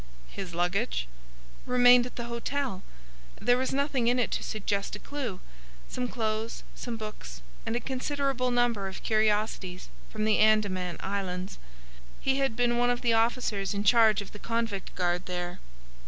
"His luggage?" "Remained at the hotel. There was nothing in it to suggest a clue,—some clothes, some books, and a considerable number of curiosities from the Andaman Islands. He had been one of the officers in charge of the convict guard there."